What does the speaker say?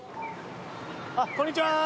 あっこんにちは！